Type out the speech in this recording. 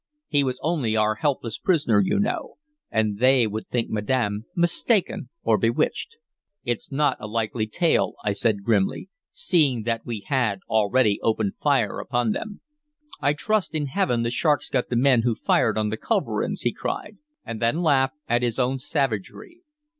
He was only our helpless prisoner, you know; and they would think madam mistaken or bewitched." "It 's not a likely tale," I said grimly, "seeing that we had already opened fire upon them." "I trust in heaven the sharks got the men who fired the culverins!" he cried, and then laughed at his own savagery.